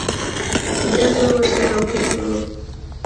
بيا به ورسره گورو.